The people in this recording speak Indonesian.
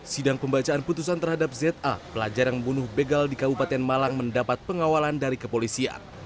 sidang pembacaan putusan terhadap za pelajar yang membunuh begal di kabupaten malang mendapat pengawalan dari kepolisian